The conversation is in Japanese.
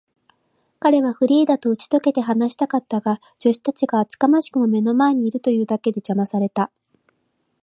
彼はフリーダとうちとけて話したかったが、助手たちが厚かましくも目の前にいるというだけで、じゃまされた。